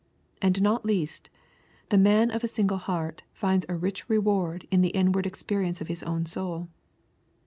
And not least, the man of a single heart finds a rich reward in the inward experience of his own soul.